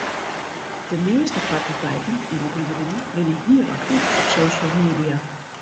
De measte fakulteiten en opliedingen binne hiel aktyf op social media.